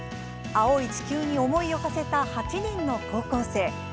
青い地球に思いをはせた８人の高校生。